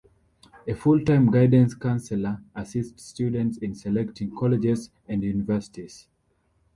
A full-time guidance counselor assists students in selecting colleges and universities.